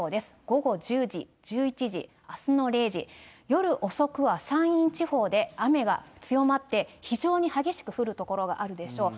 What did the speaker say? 午後１０時、１１時、あすの０時、夜遅くは山陰地方で雨が強まって、非常に激しく降る所があるでしょう。